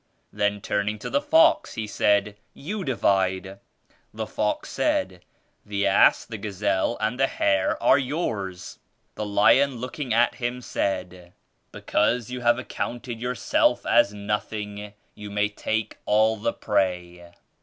Then turning to the fox, he said, 'You divide!' The fox said, 'The ass, the gazelle and the hare are yours !' The lion looking at him, said, 'Be cause you have accounted yourself as nothing, you may take all the prey.'